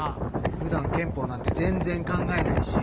ふだん憲法なんて全然考えないし。